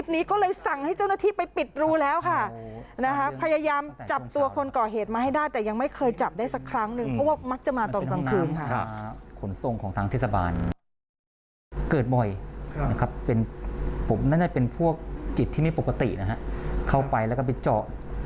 เกิดบ่อยนะครับเป็นผมน่าจะเป็นพวกจิตที่ไม่ปกตินะฮะเข้าไปแล้วก็ไปเจาะ